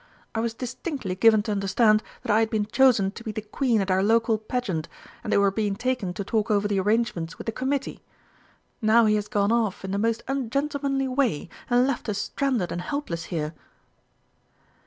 I was distinctly given to understand that I had been chosen to be the Queen at our local Pageant, and that we were being taken to talk over the arrangements with the Committee. Now he has gone off in the most ungentlemanly way, and left us stranded and helpless here!"